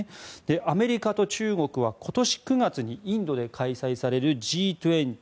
アメリカと中国は今年９月にインドで開催されるＧ２０